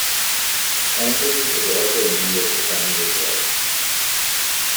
Plantin was also a member of the Family of Love.